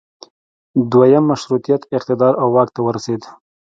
دویم مشروطیت اقتدار او واک ته ورسید.